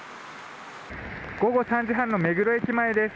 午後３時半の目黒駅前です。